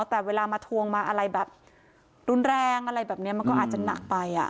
แต่เวลามาทวงมาอะไรแบบรุนแรงอะไรแบบนี้มันก็อาจจะหนักไป